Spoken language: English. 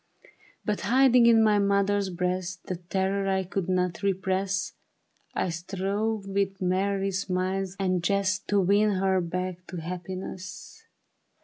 But hiding in my mother breast The terror I could not repress, I strove with merry smiles and jest To win her back to happiness.